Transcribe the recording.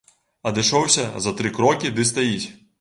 Адышоўся за тры крокі ды стаіць.